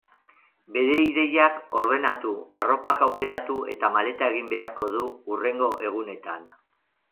Bere ideiak ordenatu, arropak aukeratu eta maleta egin beharko du hurrengo egunetan.